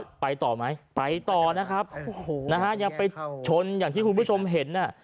ไปต่อไหมไปต่อนะครับโอ้โหนะฮะยังไปชนอย่างที่คุณผู้ชมเห็นน่ะ